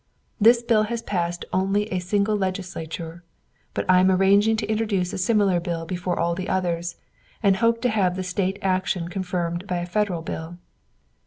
This bill has passed only a single legislature, but I am arranging to introduce a similar bill before all the others, and hope to have the State action confirmed by a Federal bill.